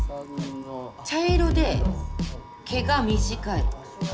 茶色で毛が短い。